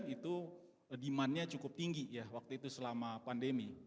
itu demand nya cukup tinggi waktu itu selama pandemi